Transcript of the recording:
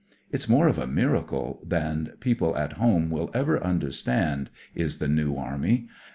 It's more of a miracle than people at home will ever imderstand, is the New Army.